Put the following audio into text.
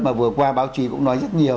mà vừa qua báo chí cũng nói rất nhiều